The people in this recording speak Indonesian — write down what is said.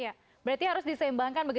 iya berarti harus disembahkan